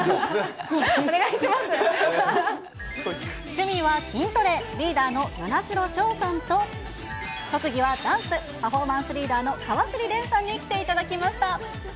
趣味は筋トレ、リーダーの與那城しょうさんと、特技はダンス、パフォーマンスリーダーの川尻蓮さんに来ていただきました。